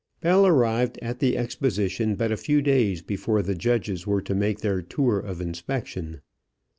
Bell arrived at the exposition but a few days before the judges were to make their tour of inspection.